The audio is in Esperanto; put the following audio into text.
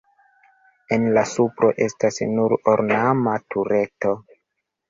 En la supro estas nur ornama tureto.